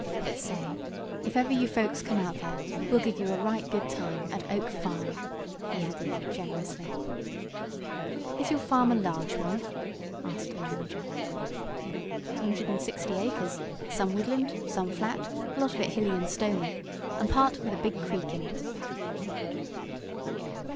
But say, if ever you folks come out there, we'll give you a right good time at Oak Farm!" he added, generously. "Is your farm a large one?" asked the manager. "Hundred and sixty acres. Some woodland, some flat, a lot of it hilly and stony, and part with a big creek on it."